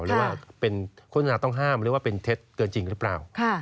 หรือว่าเป็นโฆษณาต้องห้ามหรือว่าเป็นเท็จเกินจริงหรือเปล่า